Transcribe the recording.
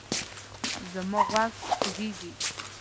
زما غوږ خوږیږي